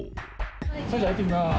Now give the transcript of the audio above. それじゃあいってきます。